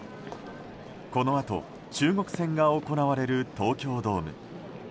このあと、中国戦が行われる東京ドーム。